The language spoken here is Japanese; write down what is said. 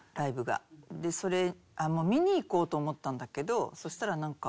それ見に行こうと思ったんだけどそしたらなんか。